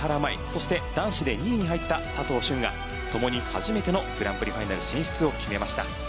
そして、男子で２位に入った佐藤駿がともに初めてのグランプリファイナル進出を決めました。